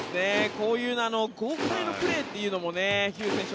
こういう豪快なプレーというのも飛勇選手